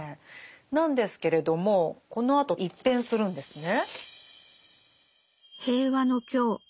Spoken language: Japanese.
なんですけれどもこのあと一変するんですね。